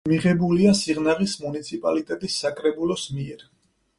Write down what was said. მიღებულია სიღნაღის მუნიციპალიტეტის საკრებულოს მიერ.